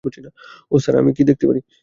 ওহ sir, আমি কি দেখতে পারি?